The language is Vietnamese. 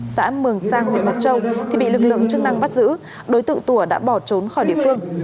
xã mường sang huyện mộc châu thì bị lực lượng chức năng bắt giữ đối tượng tủa đã bỏ trốn khỏi địa phương